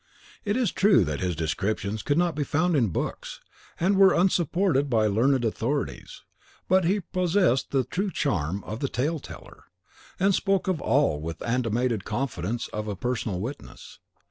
It is true that his descriptions could not be found in books, and were unsupported by learned authorities; but he possessed the true charm of the tale teller, and spoke of all with the animated confidence of a personal witness.